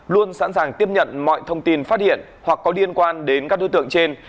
luôn sẵn sàng tiếp nhận mọi thông tin phát hiện hoặc có liên quan đến các đối tượng trên